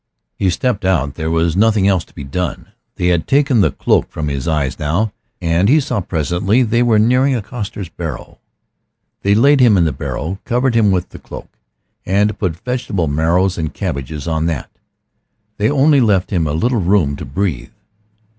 He stepped out; there was nothing else to be done. They had taken the cloak from his eyes now, and he saw presently that they were nearing a coster's barrow. They laid him in the barrow, covered him with the cloak, and put vegetable marrows and cabbages on that. They only left him a little room to breathe.